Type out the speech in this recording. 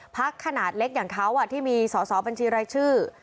พักขนาดเล็กอย่างเขาที่มีสอสอบัญชีรายชื่อ